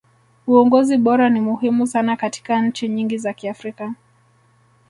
uongozi bora ni muhimu sana katika nchi nyingi za kiafrika